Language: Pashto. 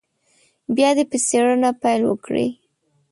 بیا دې په څېړنه پیل وکړي.